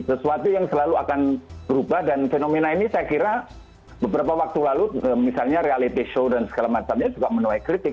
sesuatu yang selalu akan berubah dan fenomena ini saya kira beberapa waktu lalu misalnya reality show dan segala macamnya juga menuai kritik